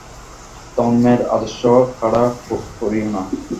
ধর্মের আদর্শ খাড়া করিয়ো না।